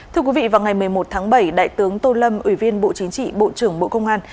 thưa quý vị vào ngày một mươi một tháng bảy đại tướng tô lâm ủy viên bộ chính trị bộ trưởng bộ công an